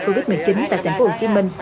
covid một mươi chín tại tp hcm